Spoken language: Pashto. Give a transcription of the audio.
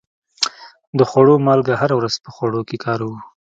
د خوړو مالګه هره ورځ په خوړو کې کاروو.